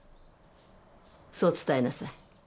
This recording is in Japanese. そう伝えなさい。